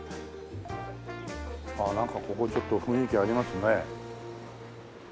ああなんかここちょっと雰囲気ありますね。